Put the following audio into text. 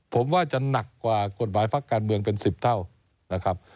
ผมว่าจะหนักกว่ากฎหมายพักการเมืองเป็น๑๐เท่านะครับ